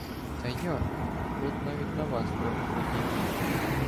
— Та як?! От навіть на вас трохи подібний.